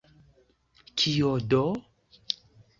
Kio do?